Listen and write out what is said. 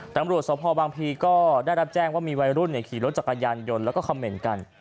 ตำรวจสภบางพีก็ได้รับแจ้งว่ามีวัยรุ่นขี่รถจักรยานยนต์แล้วก็คอมเมนต์กัน